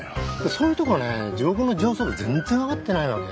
そういうとこねえ地獄の上層部全然分かってないわけ。